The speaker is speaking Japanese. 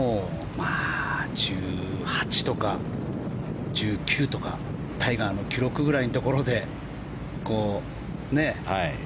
まあ、１８とか１９とか。タイガーの記録ぐらいのところでねえ。